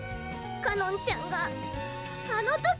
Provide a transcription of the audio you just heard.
⁉かのんちゃんがあの時！